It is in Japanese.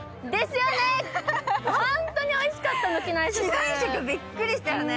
機内食、びっくりしたよね！